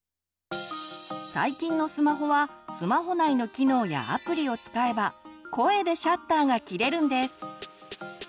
最近のスマホはスマホ内の機能やアプリを使えば声でシャッターがきれるんです。